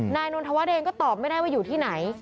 นายนนทวัฒน์เองก็ตอบไม่ได้ว่าอยู่ที่ไหน